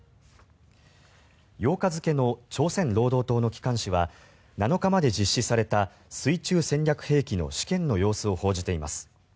８日付の朝鮮労働党の機関紙は７日まで実施された水中戦略兵器の試験の様子を報じています。